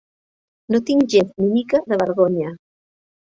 No tinc gens ni mica de vergonya.